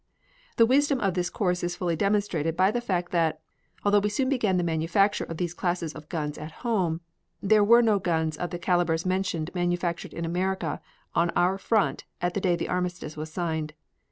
The wisdom of this course is fully demonstrated by the fact that, although we soon began the manufacture of these classes of guns at home, there were no guns of the calibers mentioned manufactured in America on our front at the date the armistice was signed.